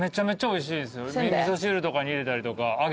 味噌汁とかに入れたりとか。